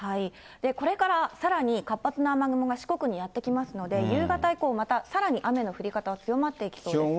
これからさらに活発な雨雲が四国にやって来ますので、夕方以降、またさらに雨の降り方は強まっていきそうです。